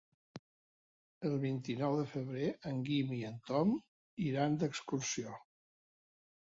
El vint-i-nou de febrer en Guim i en Tom iran d'excursió.